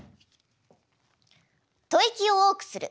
吐息を多くする。